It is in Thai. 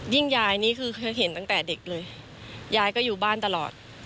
ยายนี่คือเห็นตั้งแต่เด็กเลยยายก็อยู่บ้านตลอด